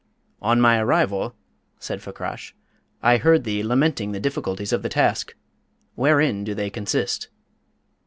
"On my arrival," said Fakrash, "I heard thee lamenting the difficulties of the task; wherein do they consist?"